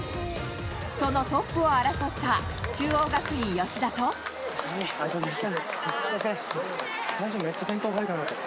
そのトップを争った中央学院、ありがとうございました。